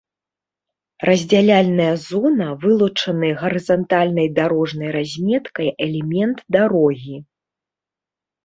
Раздзяляльная зона — вылучаны гарызантальнай дарожнай разметкай элемент дарогі